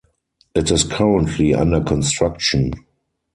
It is currently under construction.